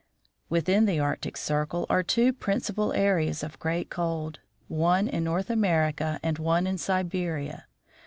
Within the Arctic circle are two principal areas of great cold, one in North America and one in Siberia.